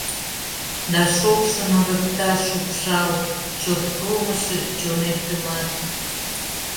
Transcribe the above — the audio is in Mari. Да шокшын ырыкта шупшал Чот кылмыше чонетымат.